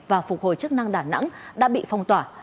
và phục hồi chức năng đà nẵng đã bị phong tỏa